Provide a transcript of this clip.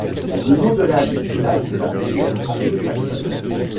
Le nom de la ville date de la période anglo-saxonne.